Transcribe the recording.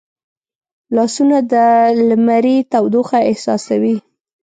لاسونه د لمري تودوخه احساسوي